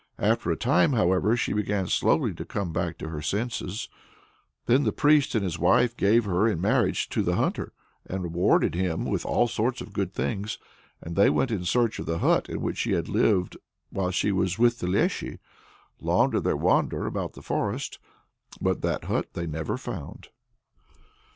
After a time, however, she began slowly to come back to her senses. Then the priest and his wife gave her in marriage to the hunter, and rewarded him with all sorts of good things. And they went in search of the hut in which she had lived while she was with the Léshy. Long did they wander about the forest; but that hut they never found.